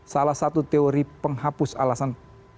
salah satu teori penghapus alasan